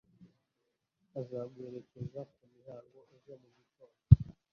azaguherekeza kumihango ejo mugitond